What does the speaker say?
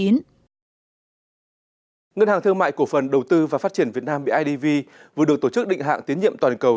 ngân hàng thương mại cổ phần đầu tư và phát triển việt nam bidv vừa được tổ chức định hạng tiến nhiệm toàn cầu